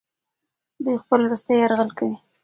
دوی خپل وروستی یرغل کوي.